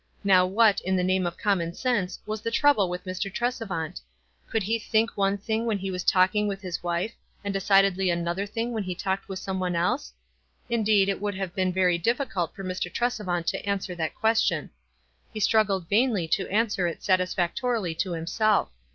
Now what, in the name of common sense, was the trouble with Mr. Tresevant? Could he think one thins: when he was talking; with his wife, and decidedly another thing when he talked with some one else ? Indeed it would have been very difficult for Mr. Tresevant to answer that question. He struggled vainly to answer it sat isfactorily to himself.